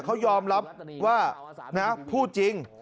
เขายอมรับว่านะพูดจริง